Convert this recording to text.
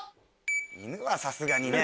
犬はさすがにね。